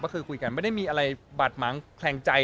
ก็คือคุยกันไม่ได้มีอะไรบาดหมางแคลงใจ